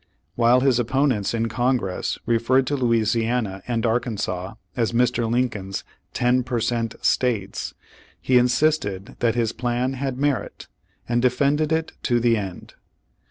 While his opponents in Congress referred to Louisiana and Arkansas as Mr. Lincoln's "ten per cent, states," he insisted that his plan had merit, and defended it to the end.